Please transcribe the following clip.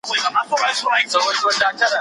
هغوی به له ګمراهۍ څخه وژغورل سي.